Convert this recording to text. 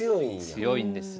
強いんです。